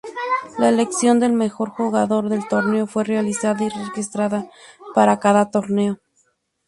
La elección del mejor jugador del torneo fue realizada y registrada para cada torneo.